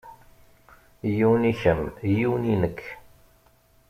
Yiwen i kemm yiwen i nekk.